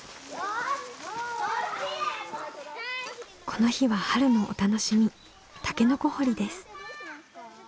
この日は春のお楽しみタケノコ掘りです。